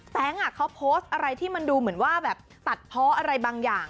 เขาโพสต์อะไรที่มันดูเหมือนว่าแบบตัดเพาะอะไรบางอย่าง